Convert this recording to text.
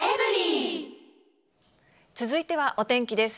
続いてはお天気です。